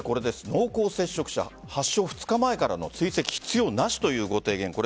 濃厚接触者発症２日前からの追跡必要なしというご提言